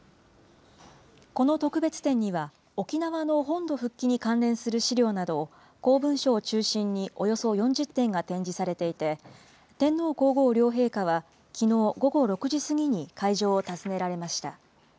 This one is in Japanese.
この特別展には、沖縄の本土復帰に関連する資料など、公文書を中心におよそ４０点が展示されていて、天皇皇后両陛下はきのう午後６時過ぎに会場を訪ねられました。